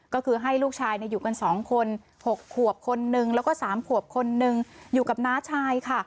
ก็คือให้ลูกชายอยู่กัน๒คน๖ขวบคนนึงแล้วก็๓ขวบคนนึงอยู่กับน้าชายค่ะ